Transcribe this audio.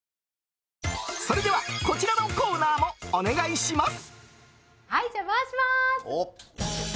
それでは、こちらのコーナーもお願いします。